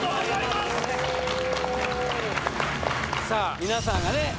さあ皆さんがね